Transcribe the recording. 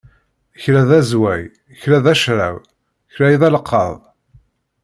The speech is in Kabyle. Kra d azway, kra d acraw, kra d alqaḍ.